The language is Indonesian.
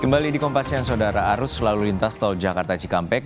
kembali di kompasian saudara arus selalu lintas tol jakarta cikampek